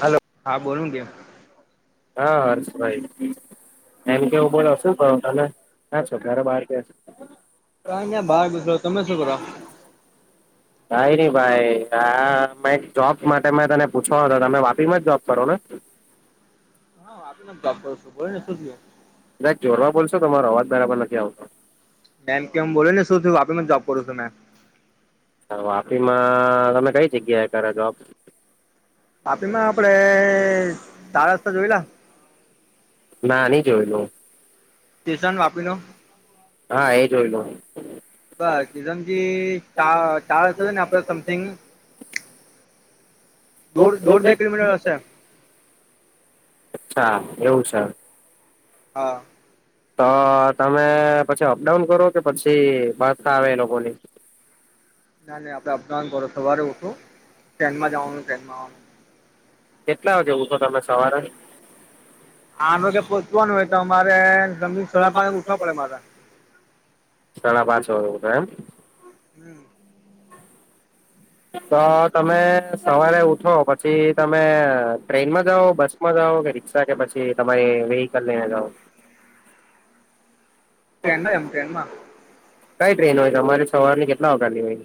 Hello હા બોલું કેમ હા હર્ષભાઈ એમ કેવું બોલો હશે તમે હ છો ઘ બાર ક હો કા અં બહાર ગુ તમે શું કરો કાઈ નઈ ભાઈ હ જોબ માટે મે તને પૂછવા હતો તમે વાપીમાં જ જોબ કરો ને હા વાપી માં જોપ બોલ ને શુ થી યુ ના જોરવા બોલશો તમારો અવાજ બરાબર નથી આવતો એમ કેમું બોલો ને શું થું વાપી જ જોબ કરું છું મેં હ વાપી માં તમે કઈ જગ્યાએ કરો છો જોપ તાપીમાં આપડે તાર રસ્તા જોયલા ના નની જોયેલું સ્ટેશન વાપી નુ હા એ જોય લો બસિઝમજી ચા ચાળ ને આપ સમથિંગ [inaudible] દો દોઢ બે કિલોમીટર હશે અચ્છા એવું છે હા તો તમે પછી અપડાઉન કરો કે પછી બસતા આવે એ લોકોની ના નાં આપડ અપડાઉન કરો સવારે ઉઠું ટ્રેનમાં જવાનું ટ્રેનમાં આવવાનું કેટલા વાગે ઊઠો તમે સવારે? આરોગ્ય પહોચવાનું હોય તો અમારે સડા પાંચે ઉઠવા પડે મારે. સાડા પાંચ વાગે એમ. હમ્મ. તો તમે સવારે ઉઠો પછી તમે ટ્રેનમાં જાઓ, બસ માં જાઓ કે રિક્ષા કે પછી તમારી વેહીકલ લઈને જાવ? ટ્રેનમાં જામ ટ્રેનમાં. કઈ ટ્રેન હોય તમારે સવારની કેટલા વાગાની હોય?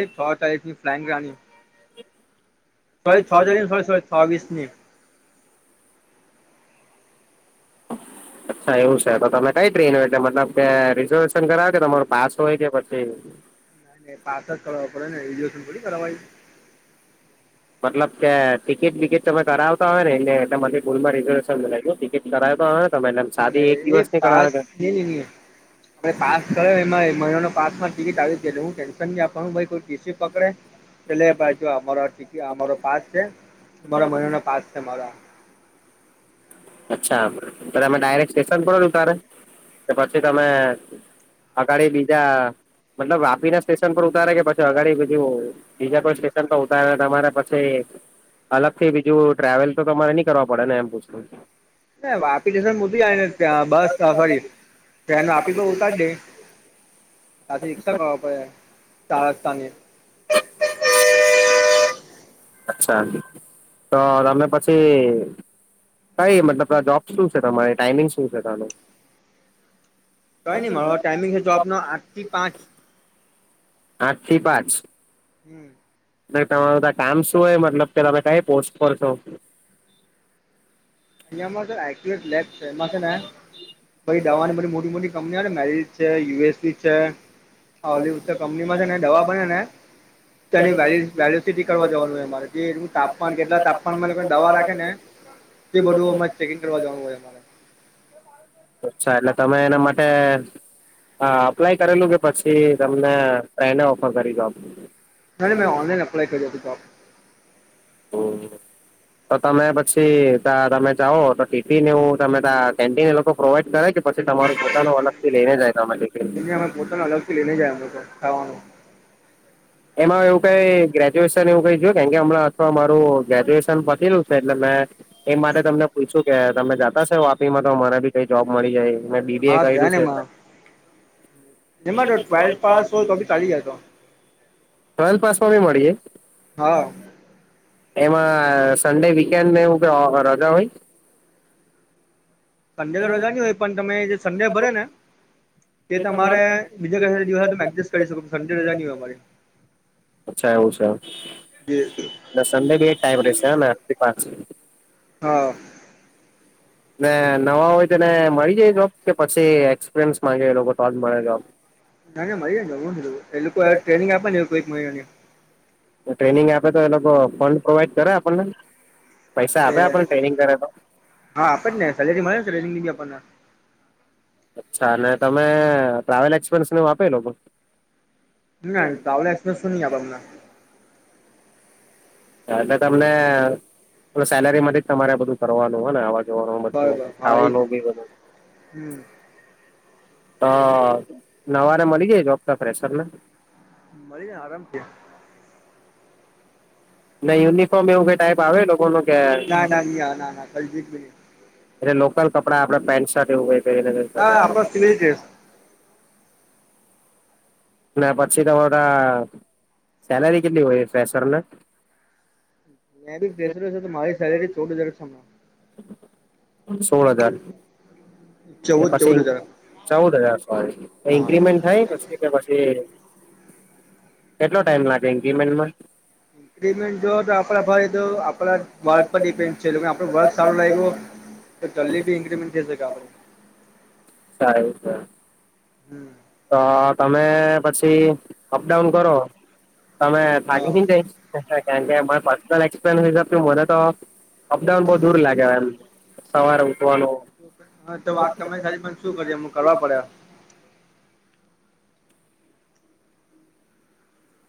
એજ છ વાગે ફ્લાઇંગ રાની. [unintelligible] [inaudible] હા એવું છે તો તમે કઈ ટ્રેન એટલે મતલબ કે રિઝર્વેશન કરાવ કે તમારો પાસ હોય કે પછી પાસ જ કરવા પડેને રિઝર્વેશન થોડી કરાવાય. મતલબ કે ટિકિટ બિકિટ તમે કરાવતા હોયને એટલે મારથી ભૂલમાં રિઝર્વેશન બોલાય ગીયુ ટિકિટ કરાવતા હોય તમેતો સાદી એક દિવસની કરાવે કે? ની ની લી આપ પાસ કરે મહિનો પાસમાં ટિકિટ આવી જાય હું ટેન્શન ની આપવાનું કોઈ ટી સી પકડે. ચલે ભાઈ જો અમારો અમારો પાસ છે અમારા મહિના નો પાસ છે મારો. અચ્છા, બરાબર દાયરેક સ્ટેશન પર જ ઉતારે કે પછી તમે અગાડી બીજા મતલબ વાપીના સ્ટેશન પર ઉતારે કે પછી અગાડી બીજું બીજા કોઈ સ્ટેશન પર ઉતારે તમારે પછી અલગથી બીજું ટ્રાવેલ તો તમારે ની કરવા પડે ને એમ પૂછુ. વાપી સ્ટેશન જાય ને ત્યા બસ સોરી ટ્રેન વાપી તો ઉતાર દેય [inaudible] તા થી રિક્ષા કરવા પડે, ચાર રસ્તાની. [unintelligible] અચ્છા, તો તમે પછી કઈ મતલબ જોબ શું છે તમારી ટાઈમિંગ શું છે તાનું? કઈ ની મારો ટાઈમિંગ જોબનો આઠથી પાંચ. આઠથી પાંચ? હમ્મ. ને તમારું તા કામ શું હોય મતલબ કે તમે કઈ પોસ્ટ પર છો? એમા એક્યુરટ લેબ છે એમાં છે ને દવાની બધી મોટી મોટી કં મેરીજ છે, યુ એસ બી છે ઓલિવત કંપનીમાં છે ને દવા બને ને તેની વેલીસીટી કરવા જવાનું હોય મારે. જે એટલું તાપમાન કેટલા તાપમાનમાં દવા રાખે ને તે બધું ચેકિંગ કરવા જવાનું હોય. અચ્છા, એટલે તમે એના માટે હા, અપ્લાય કરેલું કે પછી તમને એને ઓફર કરી જોબ? ના મેં ઓનલાઈન અપ્લાય કરીયુ ફોર્મ. તો તમે પછી ત તમે જાઓ તો ટીફીને હું તમે કેન્ટીન એ લોકો પ્રોવાઈડ કરે કે પછી તમારું પોતાનું અલગથી લઈને જાય ટિફિન? લઈને જાય અમ લોકો ખાવાનું. એમાં એવું કઈ ગ્રેજ્યુએશન એવું કઈ જોયું કે કે હમણાં અથવા મારું ગ્રેજ્યુએશન પટેલું છે એટલે મેં એ માટે તમને પૂછું કે તમે જતા છો વાપીમાં તો મને બી કઈ જોબ મળી જાય. મે બી બી એ કયરું છે એટલે. એમા તો ટ્વેલ્થ પાસ હોય તો બી ચાલી જાય તો. ટ્વેલ્થ પાસમાં બી મળી જાય? હા. એમાં સન્ડે વીકેન્ડને એવુ કઈ રજા હોય? સન્ડે તો રજાની હોય પણ તમે જે સન્ડે ભરેને તે તમારે બીજા [unintelligible] એડજેસ્ટ કરી શકો [unintelligible] અમારી. અચ્છા એવું છે ને સન્ડે બી એ ટાઈમ રશે હેને આઠ થી પાંચ? હા. ને નવા હોય તેને મળી જાય જોબ, કે પછી એક્સપિરિયન્સ માંગે એ લોકો તો જ મળે જોબ? ના ના મળ જાઈને [unintelligible] એ લોકો ટ્રેનિંગ આપે ને એ લોકો એક મહિનાની ટ્રેનિંગ આપે તો એ લોકો ફંડ પ્રોવાઈડ કરે આપણને, પૈસા આપે આપણને ટ્રેનિંગ કરે તો? હા આપેજને, સેલેરી મળે ને ટ્રેનિંગની ભી આપણે અચ્છા અને તમે ટ્રાવેલ એક્સપેન્સને આપે એ લોકો? ના ટ્રાવેલ એક્સપેન્સ તો ની આપે અમને એટલે તમને, પેલું સેલેરી માંથીજ તમારે બધું કરવાનું હને આવા જોવાનું બધું, ખાવાનું બી બધું અહ તો નવારે મળી જાય જોબ ત્યાં ફેશર ને? મળી જાયને આરામથી. ને યુનિફોર્મ એવું ક ટાઈપ આવે એ લોકોનો કે એટલે લોકલ કપડા આપડે પેન્ટ શર્ટ એવું કઈ પહેરીને ને પછી તમારા સેલરી કેટલી હોય એ ફેસર ને? મેં બી પ્રેશર છું, તો મારી સેલેરી ચૌદ હજાર છે હમણાં સોળ હજાર એ પછી ચૌદ હજાર સોરી, ઇન્ક્ર્રીમેન્ટ થાય પછી કે પછી કેટલો ટાઈમ લાગે ઇન્ક્રીમેન્ટમાં? ઇન્ક્રીમેન્ટ તો આપડા ભાઈ તો આપડા વર્ક પર ડિપેન્ડ છે, એ લોકોને આપડુ વર્ક સારું લાગ્યું તો જલ્દીથી ઇન્ક્રીમેન્ટ થઈ શકે આપડે [unintelligible] હમ્મ. તો તમે પછી અપડાઉન કરો, તમે થાકી ની જાય? કારણકે મારા પર્સનલ એક્સપિરિયન્સ હિસાબથી મને તો અપડાઉન બહ દૂર લાગે એમ સવારે ઉઠવાનું હા, તો વાત તમે સારી, પણ શું કરીએ કરવા પડે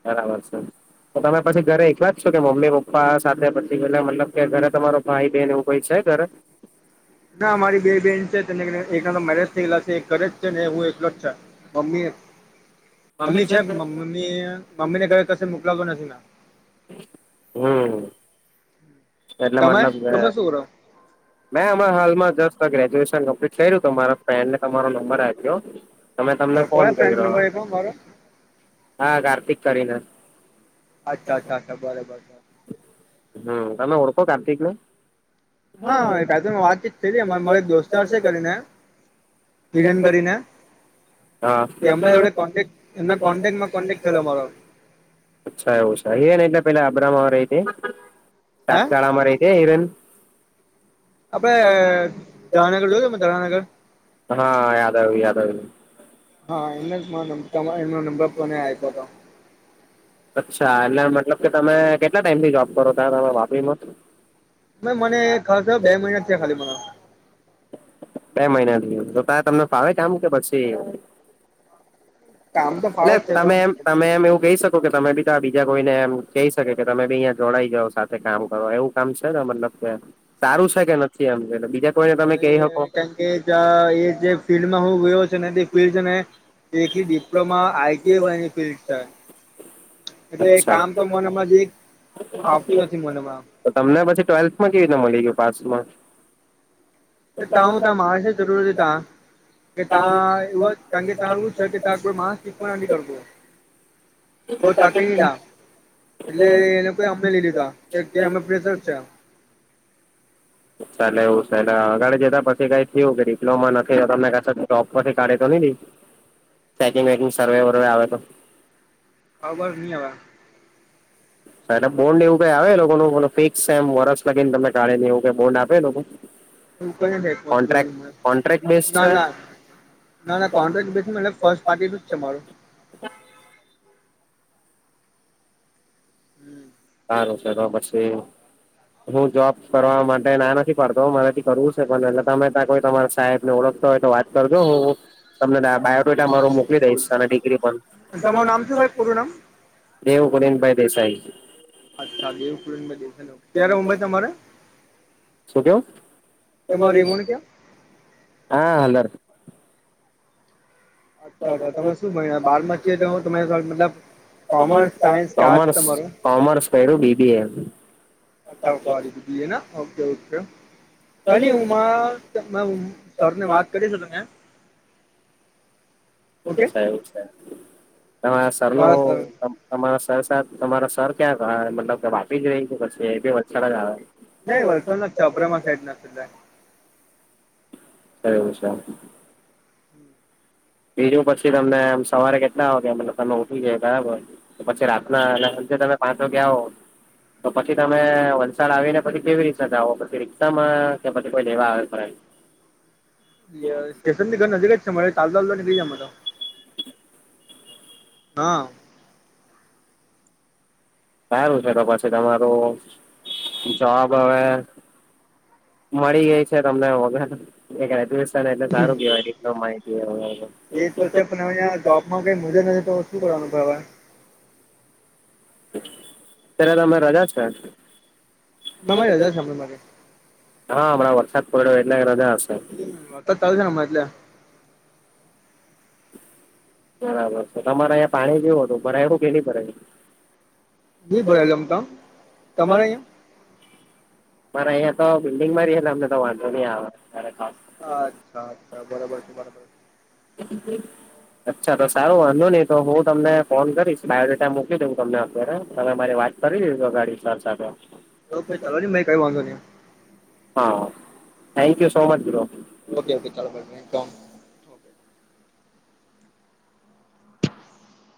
બરાબર છે. તો તમે પછી ઘરે એકલા જ છો, કે મમ્મી પપ્પા સાથે [unintelligible] મતલબ કે ઘરે તમારો ભાઈ બહેન એવું કોઈ છે, ઘરે? ના અમારી બે બેન છે, તેને એક ના તો મેરેજ થયેલા છે, એક ઘરે જ છે ને હું એકલૉજ છે મમ્મી હ [unintelligible] મમ્મી છે, મમ્મી મમ્મી ને ક કશે મોકલાવતો નથી મેં હમ્મ. તમે, તમે શું કરો? મેં અમના હાલમાં જસ્ટ આ ગ્રેજ્યુએશન કમ્પ્લીટ કર્યું, તો મારા ફ્રેન્ડએ તમારો નંબર આપ્યો મે તમને ફોન કરીયો, હા કાર્તિક કરીને અચ્છા અચ્છા બરાબર છે. હમ્મ, તમે ઓળખો કાર્તિકને? હા, મેં વાતચીત કૈરી કે મારો એક દોસ્તાર છે એમ કરીને [unintelligible] કરીને કે અમમે જોડે કોન્ટેક એમને કોન્ટેક્ટમાં કોન્ટેક્ટ થયલો મારો અચ્છા એવું છે, હિરેન એટલે પે અબ્રમાં રેહ સાળમાં રેહ એ હિરેન આપડે ધારાનગર જોયું, ધારાનગર હા યાદ આયુ, યાદ આયુ હા, એમને એમનો નંબર કોને આપ્યો તો. અચ્છા એટલે મતલબ કે તમે કેટલા ટાઈમથી જોબ કરો ત્યાં તમે વાપીમાં? કે મને ખાસા બે મહિના થયા ખાલી મને બે મહિનાથી તો ત તમને ફાવે છેમ કે પછી એ તમેમ તમે એમ એવું કહી શકો કે તમે બી તો આ બીજા કોઈને એમ કહી શકે કે તમે બી અહીં જોડાઈ જાઓ સાથે કામ કરો એવું. કામ છે ને અમ સારું છે કે નથી એમ એટલે બીજા મ કે એ જે ફિલ્ડમાં હું ગયો છ ને તે ફિલ્ડ છે ને એકલી ડિપ્લોમા આઈટીઆઈ વની ફિલ્ડ છે. એટલે કામ તો મનમાં જ ફાવતું નથી મનમાં તો તમને પછી ટ્વેલ્થ માં કેવી રીતે મળી ગય પાસમાં તું ત મહારષ્ર જરૂર હતીતાા કે ત એવ કારણ કે ત્યાં એવું છે કે ત્યાં કોઈ માસ શીખવા નથી કરવું. કો તાકી ન નાા એટલે એને કોઈ અમને લઈ લીધા કે અમે પ્રસર છે. ચલે એવું છેલે આગળ જતા પછ કઈ થયું કે ડિપ્લોમા નથી તમે ક જોોપ પછ કાઢી તો ન ચેકિંગ વેકિંગ સર્વે વર્વે આવે તો ખ બર નવા એટલે બોન્ડ એવું કઈ એ લોકોનું ફિક્સ એમ વર્સ લીને તમે કાઢેને એવું કઈ બોન્ડ આવેે લોકો કોન્ટ્રક્ટ કોન્ટ્રાક્ટ બેઝ છે. ના ના કોન્ટ્રાક્ટ બેસમાં ફર્સ્ટ પાર્ટીનું જ છે મારું હમ સારું છે પશે હું જોબ કરવા માટે ના નથી પડતો મારેથી કરવું છે પણ એટલે તમે ત્યાં કોઈ તમારે ત ઓળખતા હોય તો વાત કરજો હ તમને ા મા મોકલી દઈશ ડિગ્રી પણ દેવ ગિનભાઈ દેસાાઈજી અચ્છા દેવ દેસે ત્યારે મુંબઈ તમારે તમાર રેમો ક્યાં હા હલ્ાર અચ્છા અચ્છા તમે શું ભ બાર માં છી તો હ તમારી મતલબ કોમર્સ કોમર્સ પું બીબી એ અછા ઓ સરીધએ ઓકે ઓકે ઘની ઉમર મે સર ને વાત કરી છે ત ત ઓકે સા એવું ત સર નો તમારા સર સાથે તમારા સર ક્યાં ક મતલબ કે વાપકી જ રહી ગ પછી એ વચછડા જ આવે નઈ વલસણ ના છપરામા સાઈડ ના સ છેા બીજું પછી તમનેમ સવારે કેટલા આવગ તમે ઉઠી જાય બરાબર તો પછી રાતનાજે તમે પાંચ વાગ્યા આવ તો પછી તમે વલસાડ આવીને પછી કેવી રીતે જાઓ પછી રિક્ષામાં કે પછી કોઈ લેવા આવે ખ [inaudible] સ્ટેશન ની ઘર નજીક જ છે મળ ચાલતાાલવા નીકળ જમાં તો હા સારું છે તો પછી તમારું જવાબ હવે મળી ગઈ છે તમને વગ એટલે સારું કેહેવાય માહિતી અહં જોબમાં કઈ મજા નથી તો શું કરવાનું ભવે અ્યારે તમે રજા છે. મરી છેમે મારે હા હમં વરસાદ પડે્યો એટલે રજા હશે હ મ તાલશે ન મ્લે બરાબર તો તમારે અહીંયા પાણી જેવું હતું ભરાયવું કે નહી ભરાયું [unintelligible] મારે અહીયાં તો બિલ્ડિંગમાં રહેલા અમને તો વાંધો નહી આવે જયારે ખાસ. અચ્છા અચ્છા બરાબર છે બરાબર છે. [inaudible] અચ્છા તો સારું વાંધો નહી તો હું તમને ફોન કરીશ બાયોડેટા મોકલી દઉ તમને અત્યારે તમે મારી વાત કરી લીજો ગાડી સાબ સાથે ઓકે ચાલો નને ભાઈ કઈ વાંધો નહીં. હા thank you so much bro. Okay okay ચલો